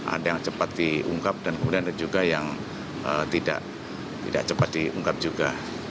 ada yang cepat diungkap dan kemudian ada juga yang tidak cepat diungkap juga